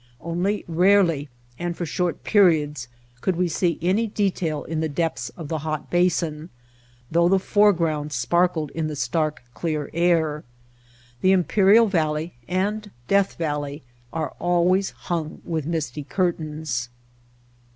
Only rarely and for short periods could we see any Entering Death Valley detail in the depths of the hot basin, though the foreground sparkled in the stark, clear air. The Imperial Valley and Death Valley are always hung with misty curtains.